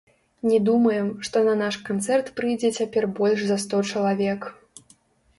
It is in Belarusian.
Не думаем, што на наш канцэрт прыйдзе цяпер больш за сто чалавек.